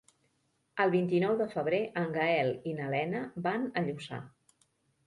El vint-i-nou de febrer en Gaël i na Lena van a Lluçà.